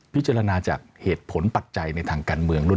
พิจารณาจากเหตุผลปัจจัยในทางการเมืองรุ่น